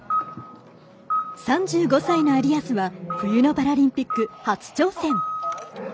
３５歳の有安は冬のパラリンピック初挑戦。